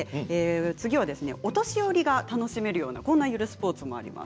次は、お年寄りが楽しめるようなゆるスポーツです。